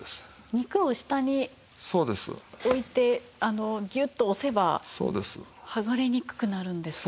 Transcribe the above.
肉を下に置いてギュッと押せば剥がれにくくなるんですかね。